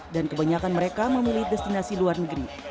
dan kebanyakan mereka memilih destinasi luar negeri